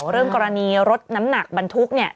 เรื่องกรณีรถน้ำหนักบรรทุก